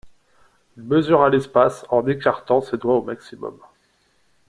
Il mesura l'espace en écartant ses doigts au maximum.